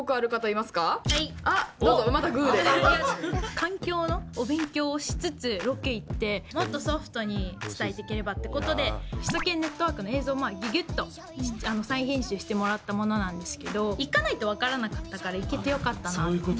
環境のお勉強しつつロケ行ってもっとソフトに伝えていければってことで「首都圏ネットワーク」の映像をぎゅぎゅっと再編集してもらったものなんですけど行かないと分からなかったから行けてよかったなって。